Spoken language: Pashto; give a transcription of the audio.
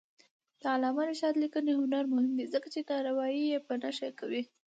د علامه رشاد لیکنی هنر مهم دی ځکه چې ناروايي په نښه کوي.